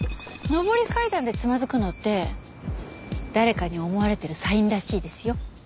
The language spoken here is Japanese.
上り階段でつまずくのって誰かに思われてるサインらしいですよ。